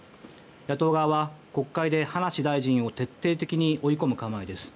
野党側は国会で葉梨大臣を徹底的に追い込む構えです。